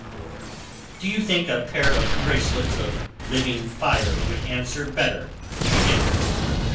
Or do you think a pair of bracelets of living fire would answer better, to begin with?"